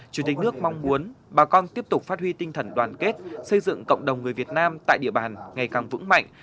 chủ tịch nước mong muốn bà con tiếp tục phát huy tinh thần đoàn kết xây dựng cộng đồng người việt nam tại địa bàn ngày càng vững mạnh